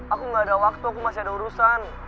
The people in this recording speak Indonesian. aku gak ada waktu aku masih ada urusan